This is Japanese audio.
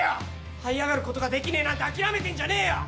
はい上がることができねえなんて諦めてんじゃねえよ！